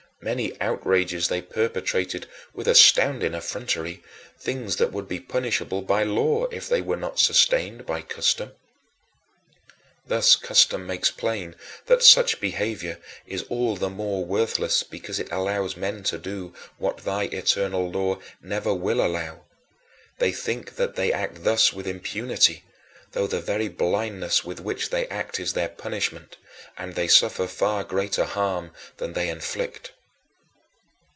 Many outrages they perpetrated with astounding effrontery, things that would be punishable by law if they were not sustained by custom. Thus custom makes plain that such behavior is all the more worthless because it allows men to do what thy eternal law never will allow. They think that they act thus with impunity, though the very blindness with which they act is their punishment, and they suffer far greater harm than they inflict.